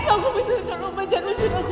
aku minta tolong jangan usir aku